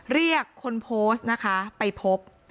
เรียกคนโพสต์นะคะไปพบ